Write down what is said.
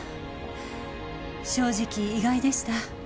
正直意外でした。